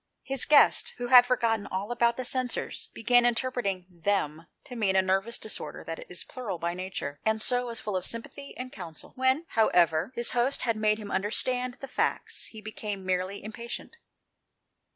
His guest, who had forgotten all about the censers, began by interpreting " them " to mean a nervous disorder that is plural by nature, and so was full of sympathy and counsel. When, however, his host had made him .understand the facts, he became merely impatient.